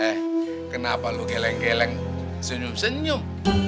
eh kenapa lo geleng geleng senyum senyum